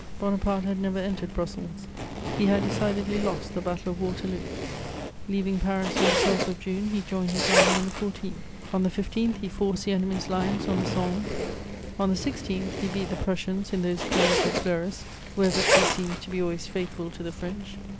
Bonaparte had never entered Brussels; he had decidedly lost the Battle of Waterloo. Leaving Paris on the 12th of June, he joined his army on the 14th. On the 15th, he forced the enemy's lines on the Sambre. On the 16th, he beat the Prussians in those plains of Fleurus where victory seems to be always faithful to the French.